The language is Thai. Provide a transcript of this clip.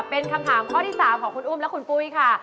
เป็นคำถามข้อที่๓ของคุณอุ้มและคุณปุ้ยค่ะ